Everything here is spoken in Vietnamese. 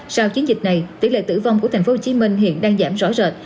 sau chiến dịch này tỷ lệ tử vong của tp hcm hiện đang giảm rõ rệt